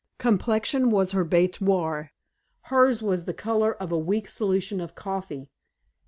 Complexion was her bete noire. Hers was the color of a weak solution of coffee.